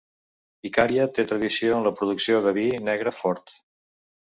Icària té tradició en la producció de vi negre fort.